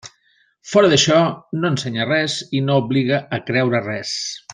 Fora d'això, no ensenya res i no obliga a creure res.